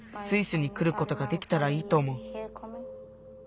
スイスにくることができたらいいとおもう。